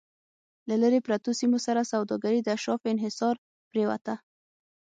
له لرې پرتو سیمو سره سوداګري د اشرافو انحصار پرېوته